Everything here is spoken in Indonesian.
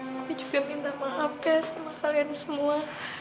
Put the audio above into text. gue juga minta maaf ya sama kalian semua